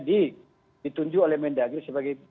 ditunjuk oleh mendagri sebagai